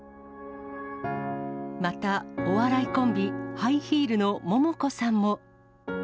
また、お笑いコンビ、ハイヒールのモモコさんも。